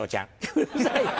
うるさいよ！